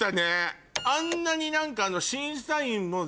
あんなに何か。